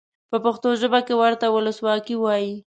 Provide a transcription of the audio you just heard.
په پښتو ژبه کې ورته ولسواکي وایي.